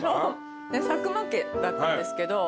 佐久間家だったんですけど。